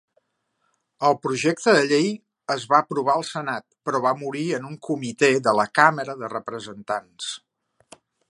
El projecte de llei es va aprovar al Senat, però va morir en un comitè de la Càmera de Representants.